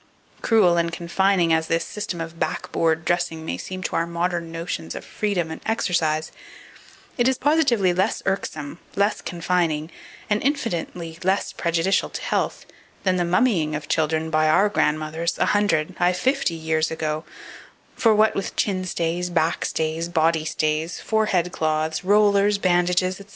Cruel and confining as this system of "backboard" dressing may seem to our modern notions of freedom and exercise, it is positively less irksome, less confining, and infinitely less prejudicial to health, than the mummying of children by our grandmothers a hundred, ay, fifty years ago: for what with chin stays, back stays, body stays, forehead cloths, rollers, bandages, &c.